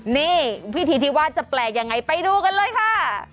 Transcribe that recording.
นี่วิธีที่ว่าจะแปลกยังไงไปดูกันเลยค่ะ